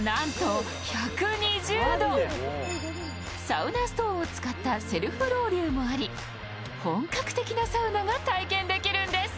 サウナストーンを使ったセルフロウリュウもあり本格的なサウナが体験できるんです。